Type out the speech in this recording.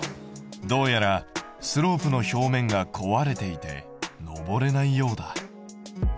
どうやらスロープの表面が壊れていて上れないようだ。